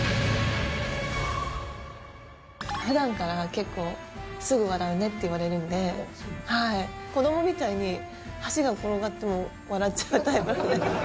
ふだんから結構、すぐ笑うねって言われるんで、子どもみたいに、箸が転がっても笑っちゃうタイプで。